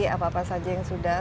apa apa saja yang sudah